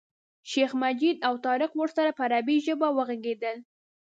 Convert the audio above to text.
شیخ مجید او طارق ورسره په عربي ژبه وغږېدل.